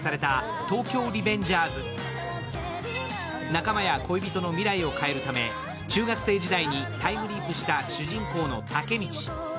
仲間や恋人の未来を変えるため、中学生時代にタイムリープした主人公のタケミチ。